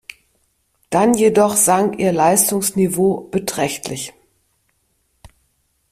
Dann jedoch sank ihr Leistungsniveau beträchtlich.